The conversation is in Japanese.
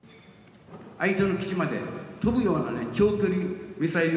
相手の基地まで飛ぶようなね、長距離ミサイル。